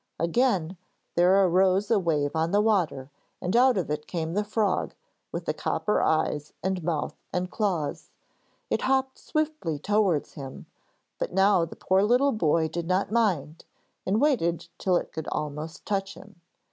Again there arose a wave on the water, and out of it came the frog, with the copper eyes and mouth and claws. It hopped swiftly towards him, but now the poor little boy did not mind, and waited till it could almost touch him.